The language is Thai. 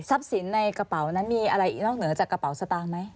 สินในกระเป๋านั้นมีอะไรอีกนอกเหนือจากกระเป๋าสตางค์ไหม